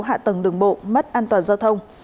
hạ tầng đường bộ mất an toàn giao thông